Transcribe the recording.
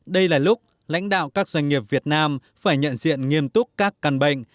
đây là lúc lãnh đạo các doanh nghiệp việt nam phải nhận diện nghiêm túc các căn bệnh